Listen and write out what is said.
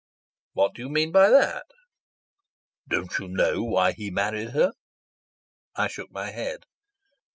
"What do you mean by that?" "Don't you know why he married her?" I shook my head.